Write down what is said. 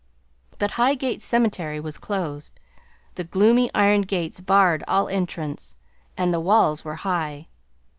But Highgate Cemetery was closed. The gloomy iron gates barred all entrance, and the walls were high.